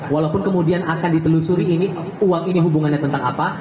walaupun kemudian akan ditelusuri ini uang ini hubungannya tentang apa